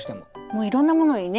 もういろんなものにね